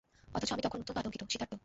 অথচ আমি তখন অত্যন্ত আতঙ্কিত, শীতার্ত।